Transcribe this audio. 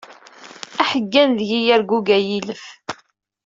Aḥeggan deg-i yerguga yilef.